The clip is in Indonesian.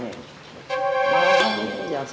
abis uminya mahal banget sih